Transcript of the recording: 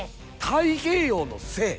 太平洋の精！？